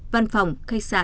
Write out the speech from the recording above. văn phòng khách sạn